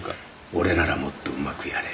俺ならもっとうまくやれる。